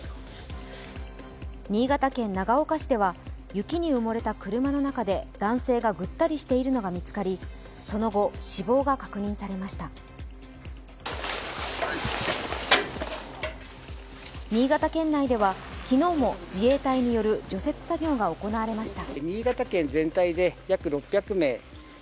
新潟県長岡市では雪に埋もれた車の中で男性がぐったりしているのが見つかり、その後死亡が確認されました新潟県内では昨日も自衛隊による除雪作業が行われました。